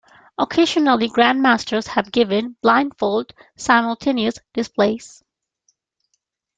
Occasionally, grandmasters have given blindfold simultaneous displays.